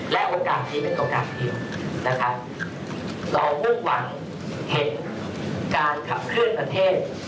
และโอกาสนี้เป็นโอกาสเดียวนะครับเราทุกวันเห็นการขับเคลื่อนประเทศ